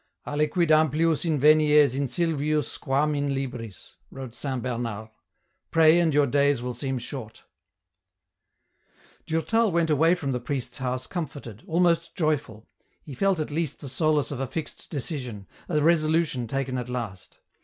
' AJiquid amplius invenies in sylvis quam in libris,' wrote Saint Bernard — pray and your days will seem short ■' Durtal wen' awaj from the priest's house comforted, almost joyfui , he felt al least the solace of a fixed decision, a resolution taken at last.